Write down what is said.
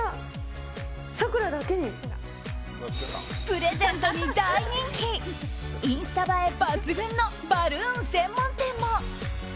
プレゼントに大人気インスタ映え抜群のバルーン専門店も。